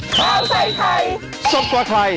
สวัสดีค่ะ